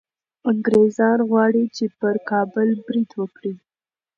انګریزان غواړي چي پر کابل برید وکړي.